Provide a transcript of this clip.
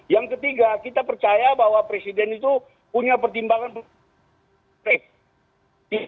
yang ketiga kita percaya bahwa presiden itu punya pertimbangan